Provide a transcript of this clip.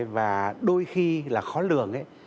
và đôi khi là khó lường